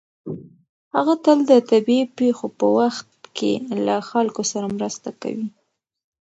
هغه تل د طبیعي پېښو په وخت کې له خلکو سره مرسته کوي.